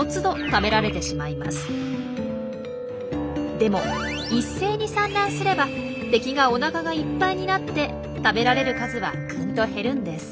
でも一斉に産卵すれば敵がおなかがいっぱいになって食べられる数はぐんと減るんです。